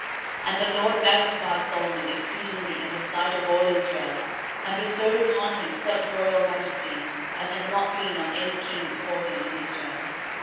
13:029:025 And the LORD magnified Solomon exceedingly in the sight of all Israel, and bestowed upon him such royal majesty as had not been on any king before him in Israel.